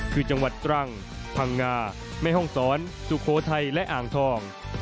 คือจังหวัดตรังพังงาแม่ห้องศรสุโขทัยและอ่างทอง